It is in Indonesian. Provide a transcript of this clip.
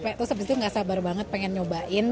terus abis itu gak sabar banget pengen nyobain